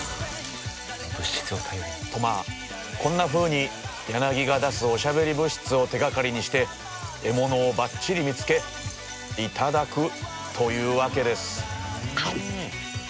まあこんなふうにヤナギが出すおしゃべり物質を手がかりにして獲物をばっちり見つけ頂くというわけです。